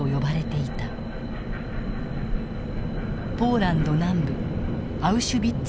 ポーランド南部アウシュビッツ